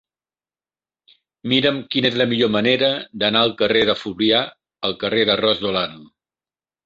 Mira'm quina és la millor manera d'anar del carrer de Fluvià al carrer de Ros de Olano.